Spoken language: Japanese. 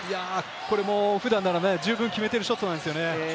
これも普段なら十分決めているショットですよね。